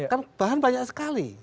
kan bahan banyak sekali